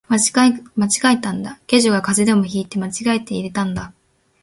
間違えたんだ、下女が風邪でも引いて間違えて入れたんだ